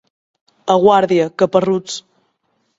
A Guàrdia, caparruts.